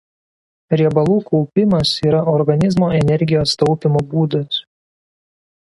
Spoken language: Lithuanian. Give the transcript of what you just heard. Riebalų kaupimas yra organizmo energijos taupymo būdas.